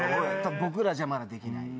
僕らじゃまだできない。